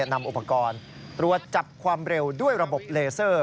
นำอุปกรณ์ตรวจจับความเร็วด้วยระบบเลเซอร์